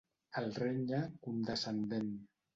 El renya, condescendent.